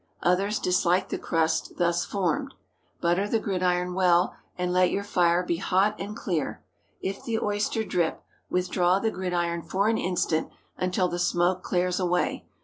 Others dislike the crust thus formed. Butter the gridiron well, and let your fire be hot and clear. If the oyster drip, withdraw the gridiron for an instant until the smoke clears away.